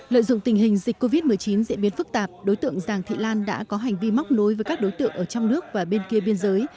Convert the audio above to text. lợi dụng tình hình dịch covid một mươi chín diễn biến phức tạp đối tượng giàng thị lan đã có hành vi móc nối với các đối tượng ở trong nước và bên kia biên giới